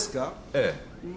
ええ。